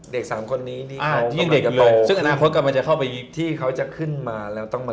เด็กสามคนนี้ที่เขากำลังจะโต